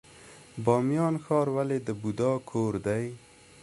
بامیان ښار ولې د بودا کور دی؟